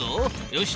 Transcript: よし。